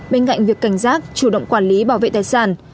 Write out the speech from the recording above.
bên cạnh việc cảnh giác chủ động quản lý bảo vệ tài sản